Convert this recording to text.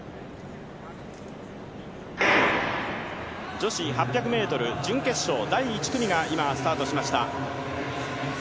女子８００ｍ準決勝、第１組が今、スタートしました。